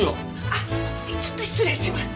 あっちょっと失礼します。